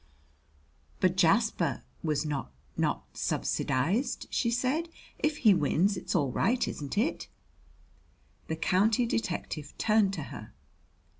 "But Jasper was not not subsidized," she said. "If he wins, it's all right, isn't it?" The county detective turned to her.